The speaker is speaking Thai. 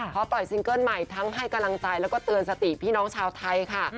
พอปล่อยซิงเกิ้ลใหม่ทั้งให้กำลังใจแล้วก็เตือนสติพี่น้องชาวไทยค่ะ